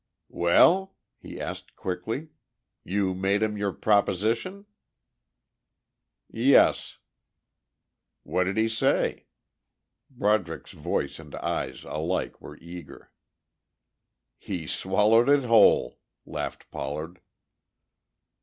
"Well?" he asked quickly. "You made him your proposition?" "Yes." "What did he say?" Broderick's voice and eyes alike were eager. "He swallowed it whole," laughed Pollard.